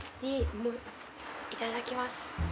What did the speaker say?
いただきます。